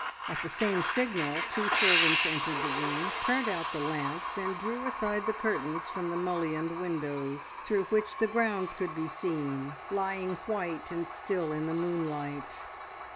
At the same signal two servants entered the room, turned out the lamps, and drew aside the curtains from the mullioned windows, through which the grounds could be seen, lying white and still in the moonlight.